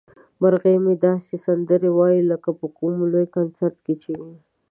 مرغۍ مې داسې سندرې وايي لکه په کوم لوی کنسرت کې چې وي.